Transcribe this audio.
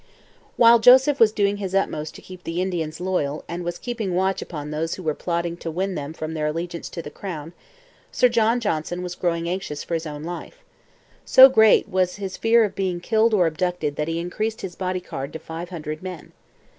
While Joseph was doing his utmost to keep the Indians loyal and was keeping watch upon those who were plotting to win them from their allegiance to the crown, Sir John Johnson was growing anxious for his own life. So great was his, fear of being killed or abducted that he increased his body guard to five hundred men.